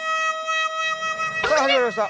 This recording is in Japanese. さあ始まりました